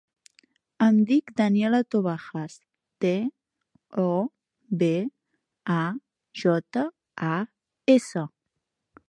Em dic Daniella Tobajas: te, o, be, a, jota, a, essa.